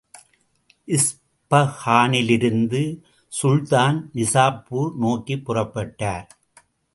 இஸ்பகானிலிருந்த சுல்தான், நிசாப்பூர் நோக்கிப் புறப்பட்டார்.